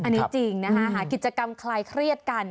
อันนี้จริงนะคะหากิจกรรมคลายเครียดกัน